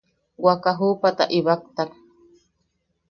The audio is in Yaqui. Waka juʼupata ibaktak.